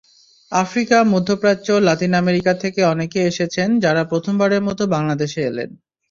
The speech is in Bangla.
আফ্রিকা, মধ্যপ্রাচ্য, লাতিন আমেরিকা থেকে অনেকেই এসেছেন, যাঁরা প্রথমবারের মতো বাংলাদেশে এলেন।